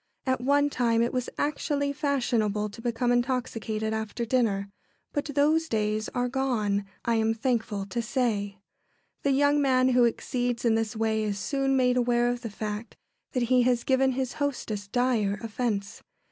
At one time it was actually fashionable to become intoxicated after dinner, but those days are gone, I am thankful to say. The young man who exceeds in this way is soon made aware of the fact that he has given his hostess dire offence.